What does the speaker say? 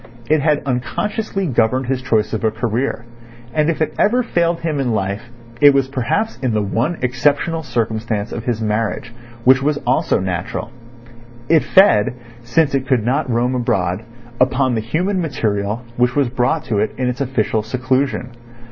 It had unconsciously governed his choice of a career, and if it ever failed him in life it was perhaps in the one exceptional circumstance of his marriage—which was also natural. It fed, since it could not roam abroad, upon the human material which was brought to it in its official seclusion.